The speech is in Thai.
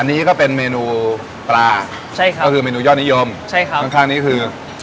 อันนี้ก็เป็นเมนูปลาก็คือเมนูยอดนิยมข้างนี้คือใช่ครับ